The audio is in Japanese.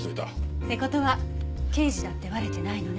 って事は刑事だってバレてないのね？